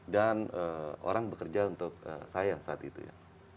orang bekerja untuk saya saat itu ya